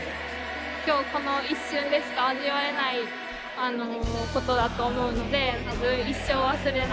今日この一瞬でしか味わえないことだと思うので多分一生忘れない。